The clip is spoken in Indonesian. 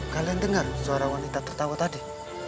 kalian dengar suara wanita tertawa tadi